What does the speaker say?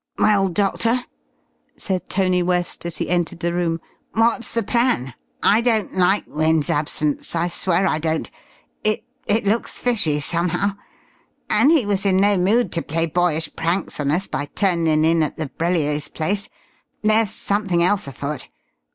"Well, Doctor," said Tony West, as he entered the room, "what's the plan? I don't like Wynne's absence, I swear I don't. It it looks fishy, somehow. And he was in no mood to play boyish pranks on us by turnin' in at the Brelliers' place. There's somethin' else afoot.